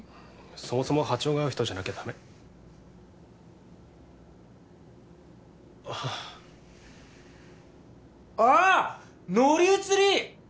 そもそも波長が合う人じゃなきゃダメあっあっ乗り移り！